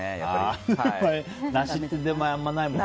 梨って出前あんまないもんね。